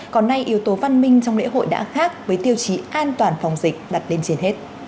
còn nay yếu tố văn minh trong lễ hội đã khác với tiêu chí an toàn phòng dịch đặt lên trên hết